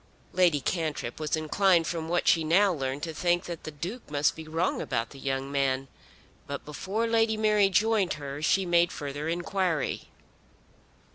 Lady Cantrip was inclined from what she now learned to think that the Duke must be wrong about the young man. But before Lady Mary joined her she made further inquiry.